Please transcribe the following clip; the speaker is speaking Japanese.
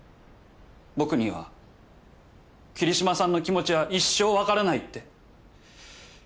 僕には桐島さんの気持ちは一生分からないって。